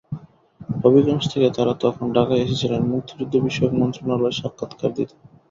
হবিগঞ্জ থেকে তাঁরা তখন ঢাকায় এসেছিলেন মুক্তিযুদ্ধবিষয়ক মন্ত্রণালয়ে সাক্ষাৎ কার দিতে।